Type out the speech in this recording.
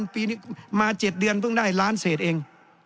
ปีนี้มา๗เดือนเพิ่งได้ล้านเศษเอง